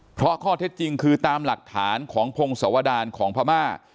เพราะข้อเท็จจริงคือตามหลักฐานของพงศวดารของพม่า